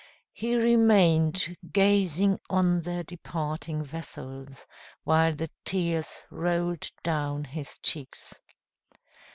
He remained gazing on the departing vessels, while the tears rolled down his cheeks.